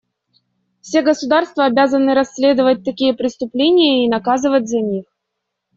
Все государства обязаны расследовать такие преступления и наказывать за них.